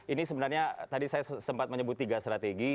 ini sebenarnya tadi saya sempat menyebut tiga strategi